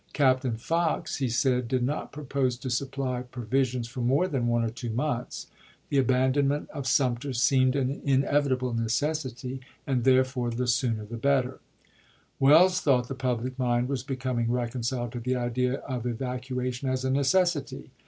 Captain Fox, he said, did not propose to supply provisions for more than one or two months. The abandonment of Sumter seemed an inevitable Cameron necessity, and therefore the sooner the better. Mar.ie.W. Welles thought the public mind was becoming reconciled to the idea of evacuation as a necessity.